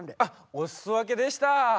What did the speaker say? お裾分けでした。